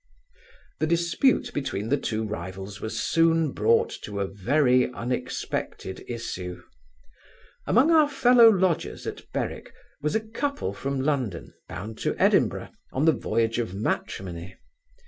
The dispute between the two rivals was soon brought to a very unexpected issue. Among our fellow lodgers at Berwick, was a couple from London, bound to Edinburgh, on the voyage of matrimony.